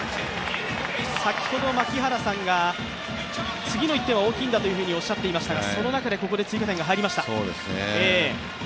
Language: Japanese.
先ほど槙原さんが次の１点は大きいんだとおっしゃっていましたがその中で、ここで追加点が入りました。